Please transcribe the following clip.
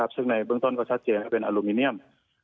ซึ่งในเบื้องต้นก็ชัดเจนเป็นอลูมิเนียม